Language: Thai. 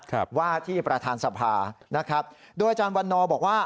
ครับว่าที่ประธานสภานะครับโดยอาจารย์วันนอบอกว่า